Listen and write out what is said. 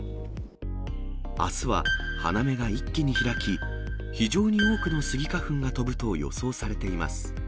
あすは花芽が一気に開き、非常に多くのスギ花粉が飛ぶと予想されています。